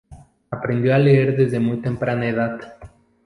Aprendió a leer desde muy temprana edad.